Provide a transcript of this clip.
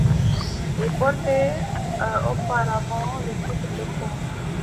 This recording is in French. Il portait auparavant le titre de comte.